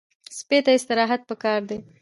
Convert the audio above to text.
سپي ته استراحت پکار دی.